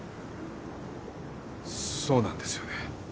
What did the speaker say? そうなんですよね